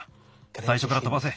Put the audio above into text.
さいしょからとばせ。